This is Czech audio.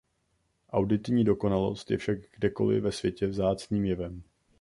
Auditní dokonalost je však kdekoli ve světě vzácným jevem.